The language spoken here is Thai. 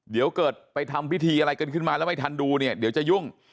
เดี๋ยวเกิดไปทำพิธีอะไรกันขึ้นมาแล้วไม่ทันดูเนี่ยเดี๋ยวจะยุ่ง